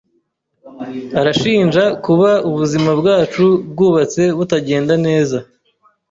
Aranshinja kuba ubuzima bwacu bwubatse butagenda neza.